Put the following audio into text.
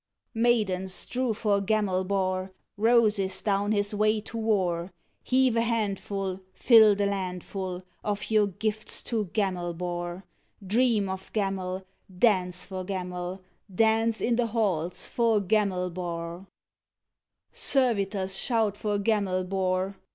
Maidens; strew for Gamelbar Roses down his way to war! Heave a handful, Fill the land full Of your gifts to Gamelbar! Dream of Gamel, Dance for Gamel, Dance in the halls for Gamelbar! Servitors, shout for Gamelbar!